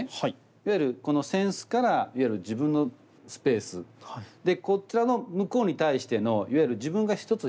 いわゆるこの扇子からいわゆる自分のスペースでこちらの向こうに対してのいわゆる自分がひとつ